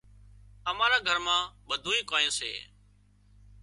امارا گھر مان ٻڌونئي ڪانئن سي